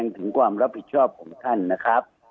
ถึงความรับผิดชอบของท่านนะครับ